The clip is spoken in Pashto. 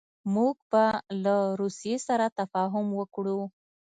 موږ به له روسیې سره تفاهم وکړو.